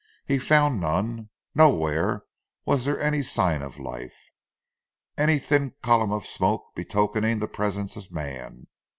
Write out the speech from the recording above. He found none, nowhere was there any sign of life; any thin column of smoke betokening the presence of man.